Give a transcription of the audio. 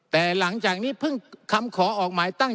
แต่หลังจากนี้เพิ่งคำขอออกหมายตั้ง